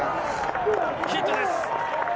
ヒットです。